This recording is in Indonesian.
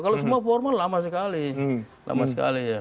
kalau semua formal lama sekali